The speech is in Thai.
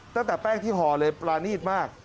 ตั้งแต่แป้งที่หอเลยดีมาก